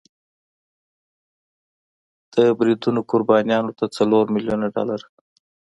د بریدونو قربانیانو ته څلور میلیون ډالر